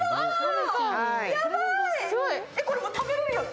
これ、食べれるよ。